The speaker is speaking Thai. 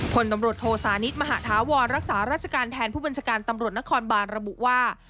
ผลตำรวจโทสานิทมหาธาวรรักษาราชการแทนผู้บัญชาการตำรวจนครบานระบุว่า